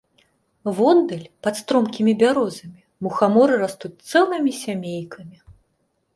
Воддаль, пад стромкімі бярозамі, мухаморы растуць цэлымі сямейкамі.